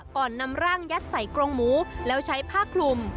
ก่อนนำร่างยัดใส่กรงหมูแล้วใช้ผ้าคลุม